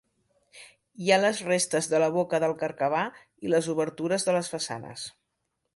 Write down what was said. Hi ha les restes de la boca del carcabà i les obertures de les façanes.